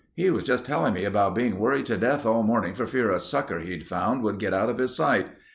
"He was just telling me about being worried to death all morning for fear a sucker he'd found would get out of his sight.